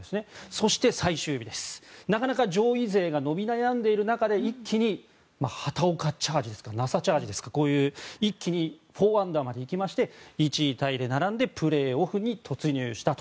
そして最終日なかなか上位勢が伸び悩んでいる中、一気に畑岡チャージというか奈紗チャージというか４アンダーまでいって１位タイで並んでプレーオフに突入したと。